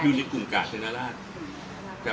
อยู่ในกลุ่มกราศธนราช